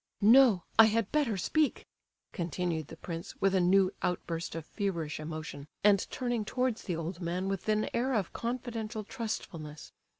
"No, I had better speak," continued the prince, with a new outburst of feverish emotion, and turning towards the old man with an air of confidential trustfulness.